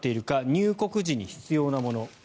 入国時に必要なもの。